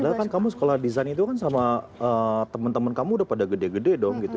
padahal kan kamu sekolah desain itu kan sama temen temen kamu udah pada gede gede dong gitu